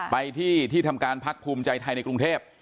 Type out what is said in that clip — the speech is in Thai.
ไปที่ที่ทำการพักภูมิใจไทยในกรุงเทพ